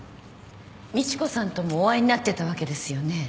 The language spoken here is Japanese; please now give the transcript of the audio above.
美知子さんともお会いになってたわけですよね。